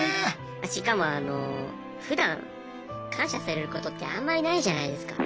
しかもふだん感謝されることってあんまりないじゃないですか。